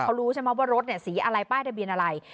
เขารู้ใช่ไหมว่ารถสีอะไรป้ายทะเบียนอะไร